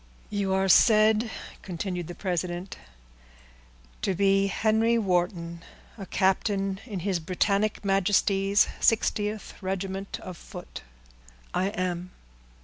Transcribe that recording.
"You are said," continued the president, "to be Henry Wharton, a captain in his Britannic Majesty's 60th regiment of foot." "I am."